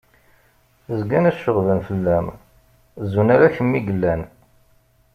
Zgan ceɣben fell-am zun ala kemm i yellan!